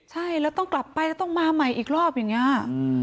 ใช่แล้วต้องกลับไปแล้วต้องมาใหม่อีกรอบอย่างนี้